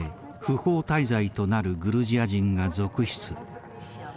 不法滞在となるグルジア人が続出。